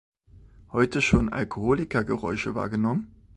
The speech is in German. Heute schon Alkoholikergeräusche wahrgenommen?